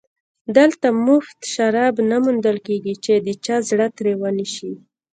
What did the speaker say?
دلته مفت شراب نه موندل کېږي چې د چا زړه ترې ونشي